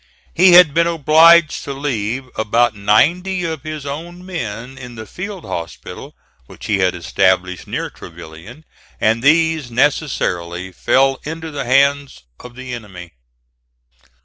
He had been obliged to leave about ninety of his own men in the field hospital which he had established near Trevilian, and these necessarily fell into the hands of the enemy.